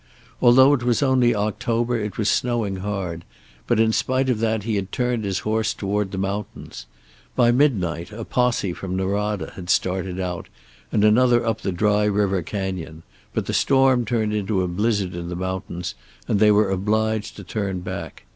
Although it was only October, it was snowing hard, but in spite of that he had turned his horse toward the mountains. By midnight a posse from Norada had started out, and another up the Dry River Canyon, but the storm turned into a blizzard in the mountains, and they were obliged to turn back.